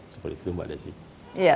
seperti itu mbak desy